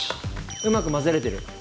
上手く混ぜれてる？